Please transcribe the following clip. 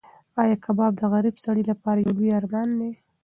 ایا کباب د غریب سړي لپاره یو لوی ارمان دی؟